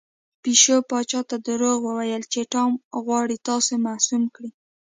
پیشو پاچا ته دروغ وویل چې ټام غواړي تاسې مسموم کړي.